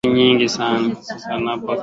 Nampongeza Dokta Hussein Ali Mwinyi Rais wetu